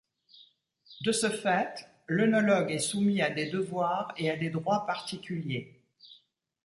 De ce fait, l'œnologue est soumis à des devoirs et à des droits particuliers.